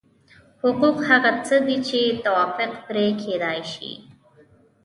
حقوق هغه څه دي چې توافق پرې کېدای شي.